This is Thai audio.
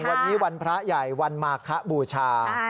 วันนี้วันพระใหญ่วันมาคบูชา